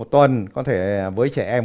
một tuần có thể với trẻ em